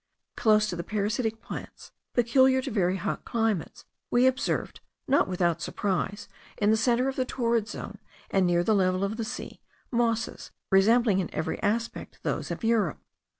Close to the parasite plants peculiar to very hot climates we observed, not without surprise, in the centre of the torrid zone, and near the level of the sea, mosses resembling in every respect those of Europe.